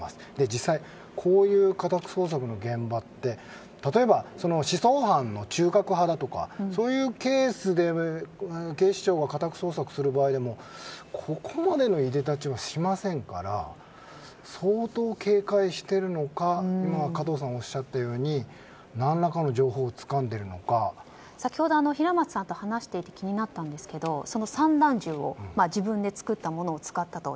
実際、こういう家宅捜索の現場は例えば、思想犯の中核派だとかそういうケースで警視庁が家宅捜索する場合でもここまでのいでたちはしませんから相当警戒しているのか加藤さんがおっしゃったように先ほど平松さんと話していて気になったんですけれども散弾銃自分で作ったものを使ったと。